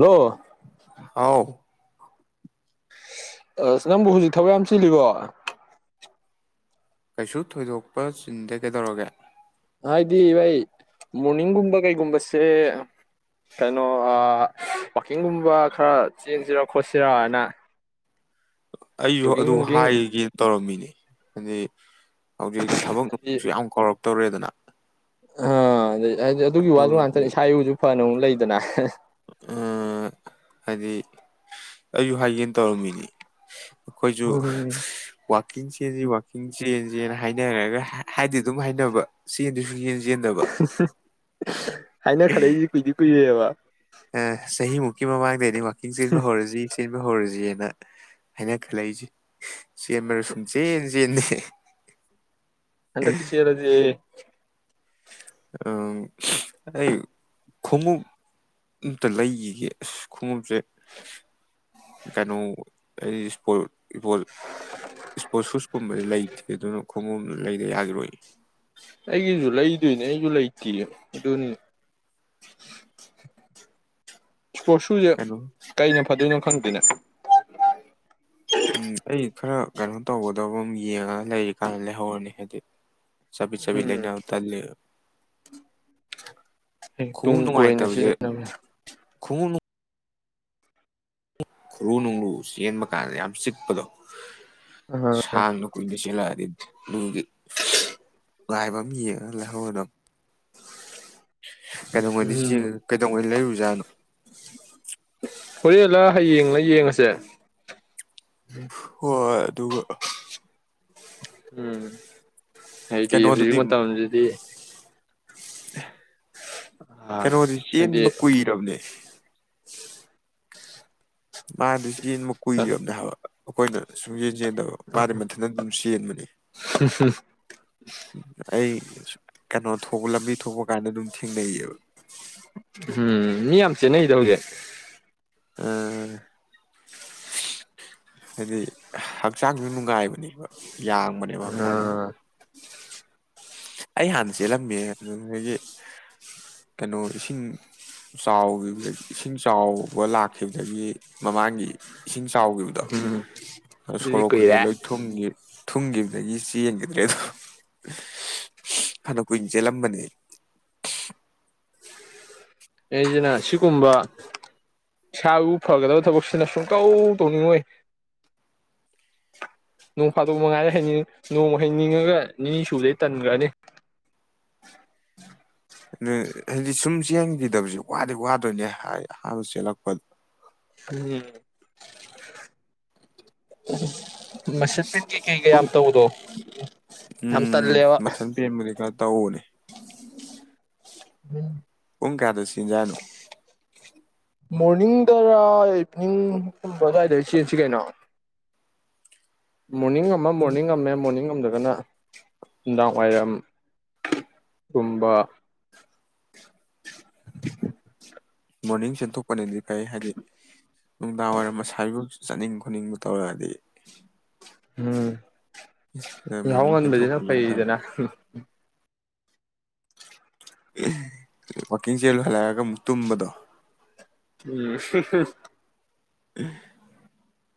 hello ꯍꯥꯎ ꯑꯁ ꯅꯪꯕꯨ ꯍꯧꯖꯤꯛ ꯊꯕꯛ ꯌꯥꯝ ꯆꯤꯜꯂꯤꯕꯣ ꯀꯩꯁꯨ ꯊꯣꯏꯗꯣꯛꯄ ꯆꯤꯟꯗꯦ ꯀꯩꯗꯧꯔꯒꯦ ꯍꯥꯏꯗꯤ ꯑꯩꯩ ꯃꯣꯔꯅꯤꯡꯒꯨꯝꯕ ꯀꯩꯒꯨꯝꯕꯁꯦ ꯀꯩꯅꯣ ꯋꯥꯛꯀꯤꯡꯒꯨꯝꯕ ꯈꯔ ꯆꯦꯟꯁꯤꯔ ꯈꯣꯠꯁꯤꯔꯥ ꯍꯥꯏꯅ ꯑꯩꯁꯨ ꯑꯗꯨ ꯍꯥꯏꯒꯦꯅ ꯇꯧꯔꯝꯃꯤꯅꯦ ꯍꯥꯏꯗꯤ ꯍꯧꯖꯤꯛ ꯊꯕꯛ ꯍꯥꯏꯗꯤ ꯌꯥꯝ ꯀꯧꯔꯛꯄ ꯇꯧꯔꯦꯗꯅ ꯑ ꯑꯗꯨ ꯑꯗꯨꯒꯤ ꯋꯥꯁꯨ ꯉꯥꯛꯇꯅꯤ ꯏꯁꯥ ꯏꯔꯨꯁꯨ ꯐꯅ ꯂꯩꯗꯅ ꯍꯥꯏꯗꯤ ꯑꯩꯁꯨ ꯍꯥꯏꯒꯦꯅ ꯇꯧꯔꯝꯃꯤꯅꯤ ꯑꯩꯈꯣꯏꯁꯨ ꯎꯝ ꯋꯥꯛꯀꯤꯡ ꯆꯦꯟꯁꯤ ꯋꯥꯛꯀꯤꯡ ꯆꯦꯟꯁꯤꯅ ꯍꯥꯏꯅꯔꯒ ꯍꯥꯏꯗꯤ ꯑꯗꯨꯝ ꯍꯥꯏꯅꯕ ꯆꯦꯟꯗꯤ ꯁꯨꯛ ꯆꯦꯟ ꯆꯦꯟꯗꯕ ꯍꯥꯏꯅꯈꯠꯂꯛꯏꯁꯤ ꯀꯨꯏꯗꯤ [unintelligible] ꯆꯍꯤ ꯃꯨꯀꯤ ꯃꯃꯥꯡꯗꯩ ꯋꯥꯀꯤꯡ ꯆꯦꯟꯕ ꯍꯧꯔꯁꯤ ꯆꯦꯟꯕ ꯍꯧꯔꯁꯤꯅ ꯍꯥꯏꯅ ꯈꯜꯂꯛꯏꯁꯦ ꯆꯦꯟꯕꯔ ꯁꯨꯡ ꯆꯦꯟ ꯆꯦꯟꯗꯦ ꯍꯟꯗꯛꯇꯤ ꯆꯦꯟꯂꯁꯤꯍꯦ ꯑꯩ ꯈꯣꯡꯎꯞ ꯑꯝꯇ ꯂꯩꯈꯤꯒꯦ ꯑꯁ ꯈꯣꯡꯎꯞꯁꯦ ꯀꯩꯅꯣ ꯑꯩ ꯏꯁꯄꯣꯔꯠ ꯏꯁ ꯏꯁꯄꯣꯔꯠ ꯁꯨꯁꯀꯨꯝꯕꯗꯤ ꯂꯩꯇꯦ ꯑꯗꯨꯅ ꯈꯣꯡꯎꯞꯗ ꯂꯩꯗ ꯌꯥꯈꯤꯔꯣꯏ ꯑꯩꯒꯤꯁꯨ ꯂꯩꯗꯣꯏꯅꯦ ꯑꯩꯁꯨ ꯂꯩꯇꯦ ꯑꯗꯨꯅꯤ ꯏꯁꯄꯣꯔꯠ ꯁꯨꯁꯦ ꯀꯩꯅꯣ ꯀꯩꯅ ꯐꯗꯣꯏꯅꯣ ꯈꯪꯗꯦꯅꯦ ꯎꯝ ꯑꯩ ꯈꯔ ꯀꯩꯅꯣ ꯇꯧꯒꯗꯕ ꯑꯃ ꯌꯦꯡꯉꯒ ꯂꯩꯔꯤ ꯀꯥꯟꯗ ꯂꯩꯍꯧꯔꯅꯤ ꯍꯟꯗꯛꯇꯤ ꯆꯕꯤ ꯆꯕꯤ ꯎꯝ ꯂꯩꯅ ꯇꯟꯂꯦꯕ ꯍꯌꯦꯡ ꯇꯨꯡ ꯈꯣꯡꯎꯞ ꯀꯣꯏꯅ ꯅꯨꯡꯉꯥꯏꯇꯕꯁꯦ ꯁꯤꯖꯤꯟꯅꯕ ꯈꯣꯡꯎꯞ ꯈꯨꯔꯨ ꯅꯨꯡꯂꯨ ꯆꯦꯟꯕ ꯀꯥꯟꯗ ꯌꯥꯝ ꯆꯤꯛꯄꯗꯣ ꯑ ꯁꯥꯡ ꯂ ꯀꯣꯏꯗ ꯁꯤꯂꯛꯑꯗꯤ ꯑꯗꯨꯝꯒꯤ ꯉꯉꯥꯏꯕ ꯑꯃ ꯌꯦꯡꯉꯒ ꯂꯩꯍꯧꯔꯗꯕ ꯀꯩꯗꯧꯉꯩꯗꯤ ꯎꯝ ꯌꯦꯉ ꯀꯩꯗꯧꯉꯩ ꯂꯩꯔꯨꯖꯥꯠꯅꯣ ꯍꯣꯔꯦꯟꯂ ꯍꯌꯦꯡꯅ ꯌꯦꯡꯉꯁꯦ ꯍꯣꯏꯣꯏ ꯑꯗꯨꯒ ꯎꯝ ꯍꯥꯏꯗꯤ ꯍꯧꯖꯤꯛ ꯀꯩꯅꯣꯗꯨꯗꯤ ꯃꯇꯝꯁꯤꯗꯤ [inaudible] ꯑꯥ ꯀꯩꯅꯣꯗꯤ ꯍꯥꯏꯗꯤ ꯆꯦꯟꯕ ꯀꯨꯏꯔꯕꯅꯦ ꯃꯥꯗꯤ ꯌꯦꯟ ꯑꯃ ꯀꯨꯏꯔꯝꯅꯦ ꯍꯥꯏꯕ ꯑꯩꯈꯣꯏꯅ ꯁꯨꯝ ꯌꯦꯡ ꯦꯗꯦ ꯃꯊ ꯑꯗꯨꯝ ꯆꯦꯟꯕꯅꯤ ꯁ ꯍ ꯑꯩ ꯀꯩꯅꯣ ꯊꯣꯛꯄ ꯂꯝꯕꯤ ꯊꯣꯛꯄ ꯀꯥꯟꯗ ꯑꯗꯨꯝ ꯊꯦꯡꯅꯩꯌꯦꯕ ꯎꯝ ꯃꯤ ꯌꯥꯝꯝ ꯆꯦꯟꯅꯩꯗ ꯍꯧꯒꯦ ꯎ ꯍꯥꯏꯗꯤ ꯍꯛꯆꯥꯡꯁꯨ ꯅꯨꯡꯉꯥꯏꯕꯅꯦꯕ ꯌꯥꯡꯕꯅꯦꯕ ꯍꯛꯆꯥꯡꯁꯨꯦ ꯑꯥ ꯑꯩ ꯍꯥꯟꯅ ꯆꯦꯜꯂꯝꯃꯦ ꯑꯗꯨꯗꯒꯤ ꯀꯩꯅꯣ ꯏꯁꯤꯡ ꯆꯥꯎꯈꯤꯕꯗꯒꯤ ꯏꯁꯤꯡ ꯆꯥꯎꯕ ꯂꯥꯛꯈꯤꯕꯗꯒꯤ ꯃꯃꯥꯡꯒꯤ ꯏꯁꯤꯡ ꯆꯥꯎꯈꯤꯕꯗꯣ ꯎꯝ ꯑ ꯑꯗꯨꯗꯤ ꯁꯣꯔꯣꯛ ꯀꯩꯀꯩ ꯀꯨꯏꯔꯦ ꯂꯣꯏ ꯊꯨꯝꯒꯤ ꯊꯨꯡꯈꯤꯕꯗꯒꯤ ꯆ ꯌꯦꯡꯈꯤꯗ꯭ꯔꯦ ꯑꯗꯣ ꯐꯅ ꯀꯨꯏꯅ ꯆꯦꯜꯂꯝꯕꯅꯦ ꯑꯩꯁꯤꯅ ꯁꯤꯒꯨꯝꯕ ꯏꯁꯥꯕꯨ ꯐꯒꯗꯕ ꯊꯕꯛꯁꯤꯅ ꯁꯨꯡꯀꯧ ꯇꯧꯅꯤꯡꯉꯣꯏ ꯅꯣꯡ ꯐꯥꯗꯣꯛ ꯃꯉꯥꯏꯗ ꯍꯅꯤꯡ ꯅꯣꯡꯃ ꯍꯩꯅꯤꯡꯉꯒ ꯅꯤꯅꯤ ꯁꯨꯗꯩ ꯇꯟꯈ꯭ꯔꯅꯤ ꯑꯗꯨ ꯍꯥꯏꯗꯤ ꯁꯨꯝ ꯆꯦꯟꯈꯤꯗꯕꯁꯤ ꯋꯥꯗꯤ ꯋꯥꯗꯣꯏꯅꯦ ꯑꯍꯥꯟꯕ ꯆꯦꯜꯂꯛꯄꯗ ꯎꯝ ꯃ ꯀꯩ ꯀ ꯄꯨꯡ ꯌꯥꯝ ꯇ ꯎꯗꯣ ꯌꯥꯝ ꯇꯂꯦ ꯇꯎꯅꯤ ꯎꯝ ꯄꯨꯡ ꯀꯌꯥꯗ ꯁꯤꯟꯖꯥꯅꯨ ꯃꯣꯔꯅꯤꯡꯗꯔ ꯏꯚꯤꯅꯤꯡꯒꯨꯝꯕ ꯑꯗꯨꯋꯥꯏꯗ ꯆꯦꯟꯁꯤ ꯀꯩꯅꯣ ꯃꯣꯔꯅꯤꯡ ꯑꯃ ꯃꯣꯔꯅꯤꯡ ꯑꯃ ꯃꯣꯔꯅꯤꯡ ꯁꯝꯗꯒꯅ ꯅꯨꯡꯗꯥꯡ ꯋꯥꯏꯔꯝ ꯒꯨꯝꯕ [inaudible] ꯃꯣꯔꯅꯤꯡ ꯆꯦꯟꯊꯣꯛꯄꯅꯗꯤ ꯐꯩ ꯍꯥꯏꯗꯤ ꯅꯨꯡꯗꯥꯡ ꯋꯥꯏꯔꯝ ꯃꯁꯥꯐ ꯆꯠꯅꯤꯡ ꯈꯣꯠꯅꯤꯡꯕ ꯇꯧꯔꯛꯑꯗꯤ ꯎꯝ ꯌꯥꯍꯥꯎ ꯃꯣꯔꯅꯤꯡ ꯉꯟꯕꯕꯁꯤꯅ ꯆꯦꯟꯊꯣꯛꯈꯤꯕꯅ ꯐꯩ ꯐꯩꯗꯅ ꯋꯥꯛꯀꯤꯡ ꯆꯦꯜ ꯂꯣꯏꯍꯜꯂꯛꯑꯒ ꯑꯃꯨꯛ ꯇꯨꯝꯕꯗꯣ ꯎꯝ [inaudible]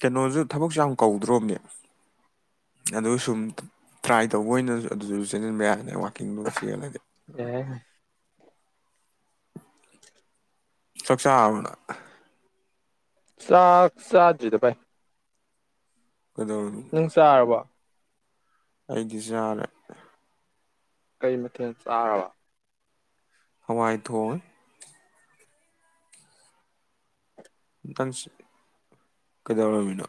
ꯀꯩꯅꯣꯁꯨ ꯊꯕꯛꯁꯨ ꯌꯥꯝ ꯀꯧꯗ꯭ꯔꯣꯕꯅꯦ ꯑꯗꯨ ꯁꯨꯝ ꯇ꯭ꯔꯥꯏ ꯇꯧꯕ ꯑꯣꯏꯅ ꯑꯗꯨꯗꯁꯨ ꯆꯦꯂꯕ ꯌꯥꯗꯅ ꯑꯩ ꯋꯥꯅꯤ ꯀꯗꯨꯁꯔꯤꯌꯥꯗ ꯑꯦ ꯆꯆꯥꯕꯅ ꯁꯥ ꯁꯥꯖ ꯗ ꯄꯥꯏ ꯅꯨꯡ ꯆꯥꯔꯕꯣ ꯑꯩꯗꯤꯁꯨꯔꯦ ꯀꯩ ꯃꯊꯦꯜ ꯆꯥꯔꯕ ꯍꯋꯥꯏ ꯊꯣꯡ ꯇꯪ ꯀꯩꯗꯧꯔꯔꯕꯃꯤꯅꯣ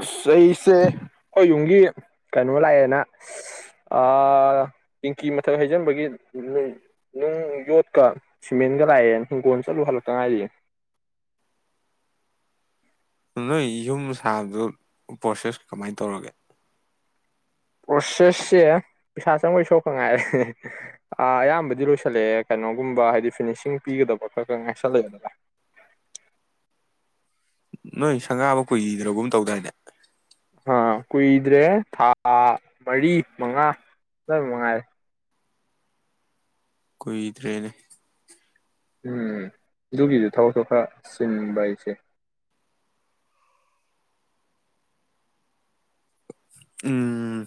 ꯑꯁ ꯆꯩꯁꯦ ꯑꯩꯈꯣꯏ ꯌꯨꯝꯒꯤ ꯀꯩꯅꯣ ꯂꯥꯛꯑꯦꯅ ꯇꯤꯡꯀꯤ ꯃꯊꯛ ꯍꯩꯖꯤꯟꯕꯒꯤ ꯅꯨꯡ ꯌꯣꯠꯀ ꯁꯤꯃꯦꯟꯒ ꯂꯥꯛꯑꯦ ꯍꯤꯡꯒꯣꯜ ꯆꯠꯂꯨ ꯍꯜꯂꯛꯇ ꯉꯥꯏꯔꯤ ꯅꯣꯏ ꯌꯨꯝ ꯁꯥꯕꯗꯨ ꯄ꯭ꯔꯣꯁꯦꯁ ꯀꯃꯥꯏꯅ ꯇꯧꯔꯒꯦ ꯄ꯭ꯔꯣꯁꯦꯁꯁꯦ ꯄꯩꯁꯥ ꯆꯪꯕꯩ ꯁꯣꯛꯈ ꯉꯥꯏꯔꯦ ꯑꯌꯥꯝꯕꯗꯤ ꯂꯣꯏꯁꯜꯂꯛꯑꯦ ꯀꯩꯅꯣꯒꯨꯝꯕ ꯍꯥꯏꯗꯤ ꯐꯤꯅꯤꯁꯤꯡ ꯄꯤꯒꯗꯕ ꯈꯔ ꯈꯔ ꯉꯥꯏꯁꯜꯂꯛꯑꯦꯗꯅ ꯅꯣꯏ ꯁꯪꯒꯥꯕ ꯀꯨꯏꯗ꯭ꯔꯒꯨꯝ ꯇꯧꯗꯥꯏꯗ ꯑꯥ ꯀꯨꯏꯗ꯭ꯔꯦ ꯊꯥ ꯃꯔꯤ ꯃꯉꯥ ꯃꯉꯥꯏꯔꯦ ꯀꯨꯏꯗ꯭ꯔꯦꯅꯦ ꯎꯝ ꯑꯗꯨꯒꯤꯁꯨ ꯊꯕꯛ ꯊ ꯈ ꯆꯟꯕ ꯑꯩꯁꯦ ꯎꯝ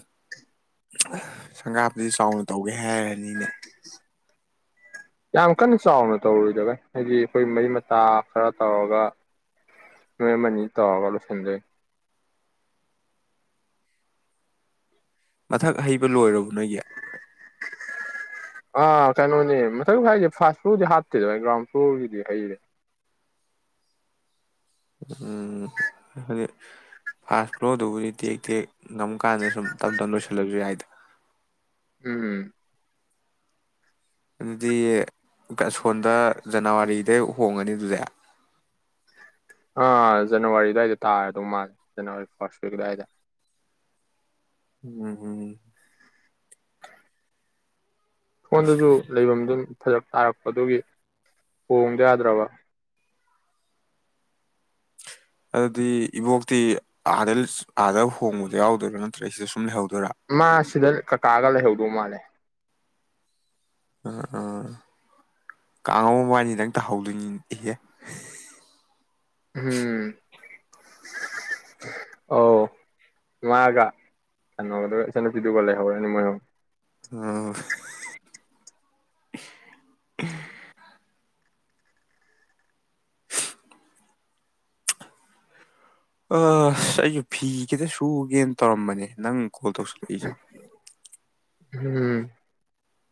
ꯁꯪꯒꯥꯞꯇꯗꯤ ꯆꯥꯎꯅ ꯇꯧꯒꯦ ꯍꯥꯏꯔꯅꯤꯅꯦ ꯌꯥꯝ ꯀꯟꯅ ꯆꯥꯎꯅ ꯇꯧꯔꯨꯏꯗꯒ ꯍꯥꯏꯗꯤ ꯑꯩꯈꯣꯏ ꯃꯔꯤ ꯃꯇꯥ ꯈꯔ ꯇꯧꯔꯒ ꯅꯣꯏ ꯑꯃꯅꯤ ꯑꯅꯤ ꯇꯧꯔꯒ ꯂꯣꯏꯁꯤꯟꯖꯩ ꯃꯊꯛ ꯍꯩꯕ ꯂꯣꯏꯔꯕ ꯅꯒꯤ ꯑꯥ ꯀꯩꯅꯣꯅꯦ ꯃꯊꯪ ꯍꯥꯏꯁꯦ ꯐꯥꯁ ꯐ꯭ꯂꯣꯔꯗꯤ ꯍꯥꯞꯇꯦꯗ ꯒ꯭ꯔꯥꯎꯟ ꯐ꯭ꯂꯣꯔꯒꯤꯗꯤ ꯍꯩꯔꯦ ꯎꯝ ꯍꯥꯏꯗꯤ ꯐꯥꯔꯁ ꯐ꯭ꯂꯣꯔꯗꯨꯕꯨꯗꯤ ꯇꯦꯛ ꯇꯦꯛ ꯉꯝ ꯀꯥꯟꯗ ꯁꯨꯝ ꯇꯞ ꯇꯞꯅ ꯂꯣꯏꯁꯤꯜꯂꯁꯨ ꯌꯥꯏ ꯎꯝ ꯑꯗꯨꯗꯤ ꯁꯣꯟꯝꯗ ꯖꯅꯋꯥꯔꯤꯗꯩ ꯍꯣꯡꯉꯅꯤ ꯑꯗꯨꯗꯤ ꯑꯥ ꯖꯅꯋꯥꯔꯤ ꯑꯗꯨꯋꯥꯏꯗ ꯇꯥꯔꯗꯧ ꯃꯥꯜꯂꯦ ꯖꯅꯋꯥꯔꯤ ꯐꯥꯔꯁꯠ ꯋꯤꯛ ꯑꯗꯨꯋꯥꯏꯗ ꯎꯝ ꯎꯝ ꯐꯣꯟꯗꯨꯁꯨ ꯂꯩꯐꯝ ꯑꯗꯨꯝ ꯐꯖꯛ ꯇꯥꯔꯛꯄꯗꯨꯒꯤ ꯍꯣꯡꯗ ꯌꯥꯗ꯭ꯔꯕ ꯑꯗꯨꯗꯤ ꯏꯕꯣꯛꯇꯤ ꯑꯥꯗ ꯑꯥꯗ ꯍꯣꯡꯕꯗꯣ ꯌꯥꯎꯗꯣꯏꯔꯥ ꯅꯠꯇ꯭ꯔꯦ ꯁꯤꯗ ꯁꯨꯝ ꯂꯩꯍꯧꯗ ꯃꯥꯁꯤꯗ ꯀ ꯀꯥꯒꯂ ꯍꯎꯗ ꯃꯥꯅꯦꯦ ꯑꯝ ꯎꯥ ꯀꯥꯡꯉꯕꯕꯥꯅꯤ ꯅꯪ ꯇꯥꯍꯧꯗꯣꯏꯅꯤ ꯏꯍꯦ ꯎꯝ ꯑꯧ ꯃꯥꯒ ꯀꯩꯅꯣꯒꯗ ꯏꯆꯟꯅꯨꯄꯤꯗꯨꯒ ꯂꯩꯍꯧꯔꯅꯤ ꯃꯣꯏꯔꯣ ꯑꯣ ꯑꯁ ꯑꯩꯁꯨ ꯐꯤ ꯈꯤꯇ ꯁꯨꯒꯦꯅ ꯇꯧꯔꯝꯕꯅꯦ ꯅꯪ ꯀꯣꯜ ꯇꯧꯁꯤꯜꯂꯛꯏꯁꯦ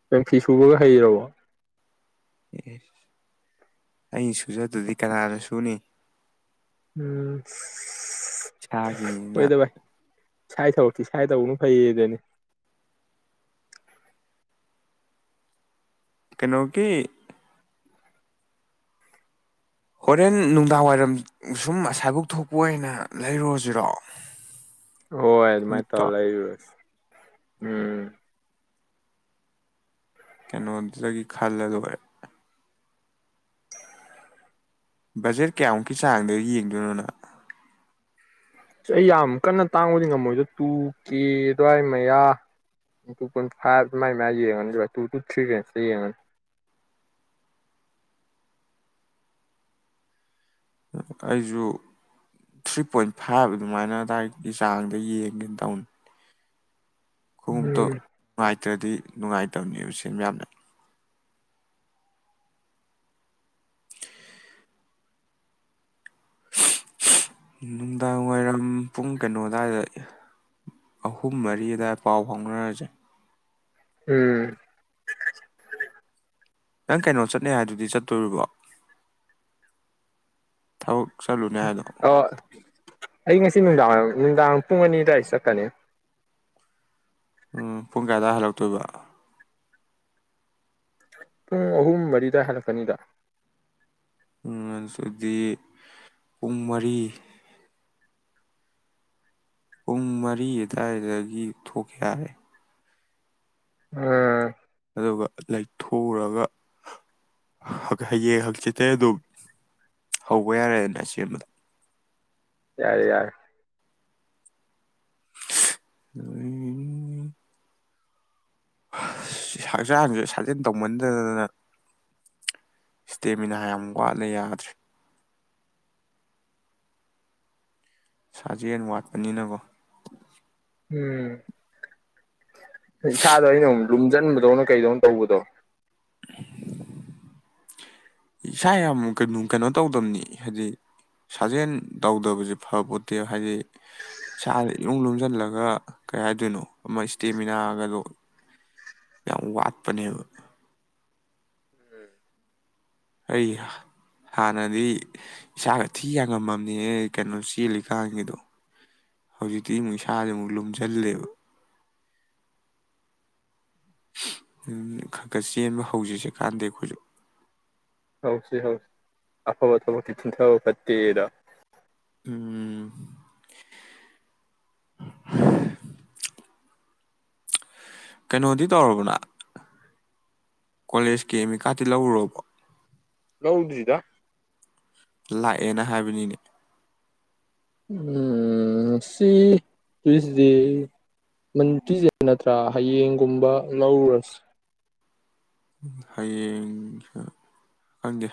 ꯀꯪ ꯐꯤ ꯁꯨꯕꯒ ꯍꯩꯔꯕꯔꯕ ꯑꯦꯁ ꯑꯩ ꯁꯨꯖꯗꯗꯤ ꯀꯅꯥꯅ ꯁꯨꯅꯤ ꯎꯝ ꯁꯥꯒꯤꯅ ꯁꯥꯏ ꯊꯧꯛꯁꯤ ꯁꯥꯏ ꯇꯧꯕꯅ ꯐꯩꯌꯦꯗꯅꯤ ꯇꯩꯅꯣꯀꯤ ꯍꯣꯔꯦꯟ ꯅꯨꯡꯗꯥꯡ ꯋꯥꯏꯔꯝ ꯁꯨꯝ ꯑꯁꯥꯏꯕꯛ ꯊꯣꯛꯄ ꯑꯣꯏꯅ ꯂꯩꯔꯨꯔꯁꯤꯔꯣ ꯍꯗ ꯃꯥꯥꯏ ꯇꯧ ꯈꯣꯡꯎꯞꯇꯣ ꯂꯩꯥꯏꯁ ꯎꯝ ꯀꯩꯅꯣ ꯑꯗꯨꯗ ꯈꯔꯂ ꯑꯗꯨꯔꯦ ꯕꯖꯦꯠ ꯀꯌꯥꯃꯨꯛꯀꯤ ꯆꯥꯡꯗꯣ ꯌꯦꯡꯗꯣꯏꯅꯣꯅ ꯁꯤ ꯑꯩ ꯌꯥꯝ ꯀꯟꯅ ꯇꯥꯡꯕꯗꯤ ꯉꯝꯃꯣꯏꯗ ꯇꯨ ꯀꯦ ꯑꯗꯨꯋꯥꯏ ꯃꯌꯥ ꯇꯨ ꯄꯣꯏꯟ ꯐꯥꯏꯚ ꯑꯗꯨꯃꯥꯏ ꯃꯌꯥ ꯌꯦꯡꯉꯅꯤ ꯑꯗꯨꯒ ꯇꯨ ꯇꯨ ꯊ꯭ꯔꯤ ꯔꯦꯟꯖꯇ ꯌꯦꯡꯉꯅꯤ ꯑꯩꯁꯨ ꯊ꯭ꯔꯤ ꯄꯣꯏꯟ ꯐꯥꯏꯚ ꯑꯗꯨꯃꯥꯏꯅ ꯑꯗꯨꯋꯥꯏꯒꯤ ꯆꯥꯡꯗ ꯌꯦꯡꯒꯦꯅ ꯇꯧꯅꯤ ꯈꯣꯡꯎꯞꯇꯣ ꯎꯝ ꯅꯨꯡꯉꯥꯏꯇ꯭ꯔꯗꯤ ꯅꯨꯡꯉꯥꯏꯇꯕꯅꯦꯕ ꯁꯤ ꯃꯌꯥꯝꯅ ꯅꯨꯡꯗꯥꯡ ꯋꯥꯏꯔꯝ ꯄꯨꯡ ꯀꯩꯅꯣ ꯑꯗꯨꯋꯥꯏꯗ ꯑꯍꯨꯝ ꯃꯔꯤ ꯑꯗꯨꯋꯥꯏ ꯄꯥꯎ ꯐꯥꯎꯅꯔꯁꯦ ꯎꯝ ꯅꯪ ꯀꯩꯅꯣ ꯆꯠꯅꯦ ꯍꯥꯏꯗꯨꯗꯤ ꯆꯠꯇꯣꯔꯤꯕꯣ ꯊꯕꯛ ꯆꯠꯂꯨ ꯑꯣ ꯑꯩ ꯉ ꯁꯤ ꯅꯨꯡꯗꯥꯡ ꯅꯨꯡꯗꯥꯡ ꯄꯨꯡ ꯑꯅꯤ ꯑꯗꯨꯋꯥꯏꯗ ꯆꯠꯀꯅꯤ ꯎꯝ ꯄꯨꯡ ꯀꯥꯏꯗꯋꯥꯏ ꯍꯜꯂꯛꯇꯣꯏꯕ ꯄꯨꯡ ꯑꯍꯨꯝ ꯋꯥꯔꯤꯗ ꯍꯅ ꯐꯅꯤꯗ ꯑꯗꯨꯗꯤ ꯄꯨꯡ ꯃꯔꯤ ꯄꯨꯡ ꯃꯔꯤ ꯑꯗꯨꯋꯥꯏꯗꯒꯤ ꯊꯣꯛꯀꯦ ꯍꯥꯏꯔꯦ ꯎꯝ ꯑꯗꯨꯒ ꯂꯩꯊꯨꯔꯒ ꯍꯌꯦꯡ ꯍꯛꯆꯤꯆꯩ ꯑꯗꯨ ꯍꯧꯕ ꯌꯥꯔꯦꯅ ꯑꯁꯦꯟꯕꯗ ꯌꯥꯔꯦ ꯌꯥꯔ ꯑ ꯍꯛꯆꯥꯡꯁꯦ ꯁꯥꯖꯦꯜ ꯇꯧꯃꯟꯗꯗꯅ ꯏꯁꯇꯦꯃꯤꯅꯥ ꯌꯥꯝ ꯋꯥꯠꯅ ꯌꯥꯗ꯭ꯔꯦ ꯁꯥꯖꯦꯟ ꯋꯥꯠꯄꯅꯤꯅꯀꯣ ꯎꯝ ꯏꯁꯥꯗꯣ ꯑꯩꯅ ꯑꯃꯨꯛ ꯂꯨꯝꯁꯤꯟꯕꯗꯧꯅ ꯀꯩꯗꯧꯅ ꯇꯧꯕꯗꯣ ꯏꯁꯥ ꯌꯥꯝ ꯀ ꯀꯩꯅꯣ ꯇꯧꯗꯝꯕꯅꯤ ꯍꯥꯏꯗꯤ ꯁꯥꯖꯦꯜ ꯇꯧꯗꯕꯁꯦ ꯐꯕ ꯄꯣꯠꯇꯦꯕ ꯍꯥꯏꯗꯤ ꯏꯁꯥꯗ ꯏꯃꯨꯡ ꯂꯣꯝꯁꯤꯜꯂꯒ ꯀꯩ ꯍꯥꯏꯗꯣꯏꯅꯣ ꯑꯃ ꯏꯁꯇꯦꯃꯤꯅꯥꯒꯗꯣ ꯌꯥꯝ ꯋꯥꯠꯄꯅꯦꯕ ꯑꯩ ꯍꯥꯟꯅꯗꯤ ꯏꯁꯥꯒ ꯊꯤ ꯌꯥꯝꯉꯝꯃꯝꯅꯦ ꯀꯩꯅꯣ ꯆꯦꯜꯂꯤꯀꯥꯟꯒꯤꯗꯣ ꯍꯧꯖꯤꯛꯇꯤ ꯑꯃꯨꯛ ꯏꯁꯥꯁꯦ ꯑꯃꯨꯛ ꯂꯨꯝꯁꯤꯜꯂꯦꯕ ꯈꯔ ꯈꯔ ꯆꯦꯟꯕ ꯍꯧꯖꯁ ꯀꯥꯟꯗ ꯑꯩꯈꯣꯏꯁꯨ ꯍꯧꯁꯤ ꯍꯧꯁꯤ ꯑꯐꯕ ꯊꯕꯛꯇꯤ ꯊꯤꯟꯊꯕ ꯐꯠꯇꯦꯗ ꯎꯝ ꯀꯩꯅꯣꯗꯤ ꯇꯧꯔꯕꯅ ꯀꯣꯂꯦꯖꯀꯤ ꯑꯦꯃꯤꯀꯥꯇꯤ ꯂꯧꯔꯔꯕ ꯂ ꯎꯗꯗꯗ ꯂꯥꯛꯑꯦꯅ ꯍꯥꯏꯕꯅꯤꯅꯦ ꯎ ꯁꯤ ꯇꯨꯁꯗꯦ ꯇ꯭ꯁꯗꯦ ꯅꯠꯇ꯭ꯔꯥ ꯍꯌꯦꯡꯒꯨꯝꯕ ꯂꯧꯔꯨꯔꯁꯤ ꯍꯌꯦꯡꯁꯨ ꯈꯪꯗꯤꯦ